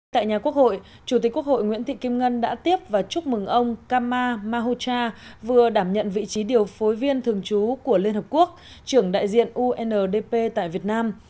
tại nhà quốc hội chủ tịch quốc hội nguyễn thị kim ngân đã tiếp và chúc mừng ông kama mahocha vừa đảm nhận vị trí điều phối viên thường trú của liên hợp quốc trưởng đại diện undp tại việt nam